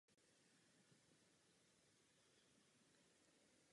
Neztratil svůj životní elán a nadále se o chod ústavu živě zajímal.